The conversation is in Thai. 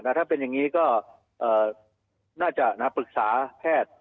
แต่ถ้าเป็นอย่างนี้ก็น่าจะปรึกษาแพทย์